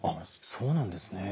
そうなんですね。